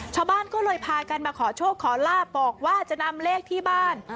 ชาวบ้านก็เลยพากันมาขอโชคขอลาบบอกว่าจะนำเลขที่บ้าน